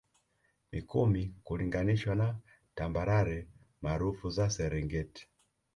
mikumi kulinganishwa na tambarare maarufu za serengeti